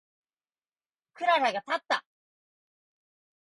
クララがたった。